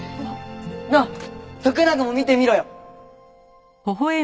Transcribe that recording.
なあ徳永も見てみろよ！